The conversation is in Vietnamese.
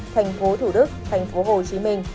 thành phố thủ đức thành phố hồ chí minh